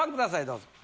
どうぞ。